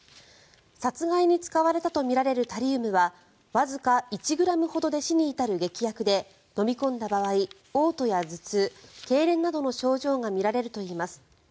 殺害に使われたとみられるタリウムはわずか１ｇほどで死に至る劇薬で飲み込んだ場合おう吐や頭痛、けいれんなどの症状が見られるといいます。